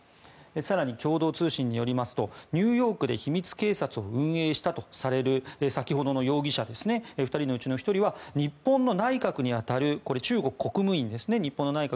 更に共同通信によりますとニューヨークで秘密警察を運営したとされる先ほどの容疑者の２人のうちの１人は日本の内閣に当たるところこれは中国国務院ですね。